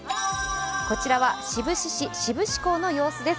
こちらは志布志市志布志港の様子です。